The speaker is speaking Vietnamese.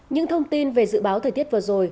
những thông tin về dự báo thời tiết vừa rồi